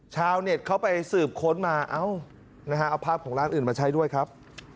ชาวเน็ตเขาไปสืบค้นมาเอ้าเอาภาพของร้านอื่นมาใช้ด้วยครับ